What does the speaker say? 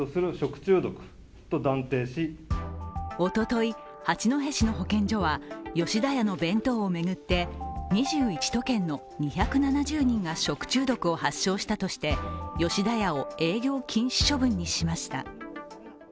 おととい、八戸市の保健所は吉田屋の弁当を巡って２１都県の２７０人が食中毒を発症したとして、吉田屋を営業禁止処分としました。